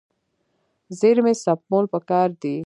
زیرمې سپمول پکار دي.